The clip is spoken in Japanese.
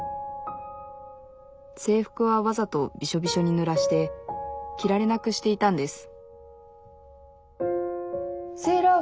制服はわざとビショビショにぬらして着られなくしていたんです